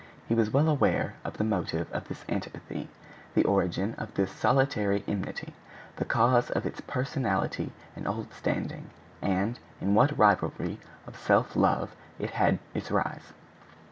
He was well aware of the motive of this antipathy, the origin of this solitary enmity, the cause of its personality and old standing, and in what rivalry of self love it had its rise.